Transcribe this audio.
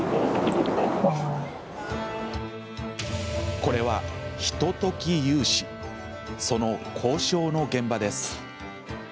これは、ひととき融資その交渉の現場です。